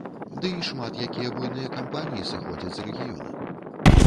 Ды і шмат якія буйныя кампаніі сыходзяць з рэгіёна.